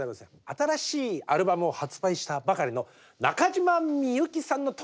新しいアルバムを発売したばかりの中島みゆきさんの特集もございます。